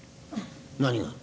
「何が？」。